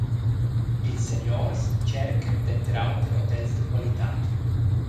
Ils seniors tschercan denter auter hotels da qualitad.